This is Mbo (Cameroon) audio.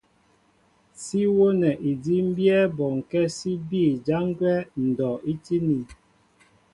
Sí wónɛ edímbyɛ́ bɔŋkɛ́ sí bîy jǎn gwɛ́ ndɔ' í tíní.